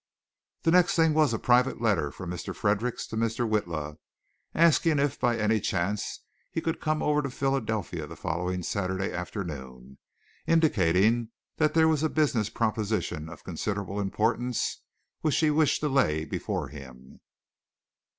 The next thing was a private letter from Mr. Fredericks to Mr. Witla asking if by any chance he could come over to Philadelphia the following Saturday afternoon, indicating that there was a business proposition of considerable importance which he wished to lay before him.